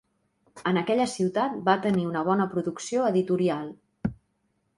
En aquella ciutat va tenir una bona producció editorial.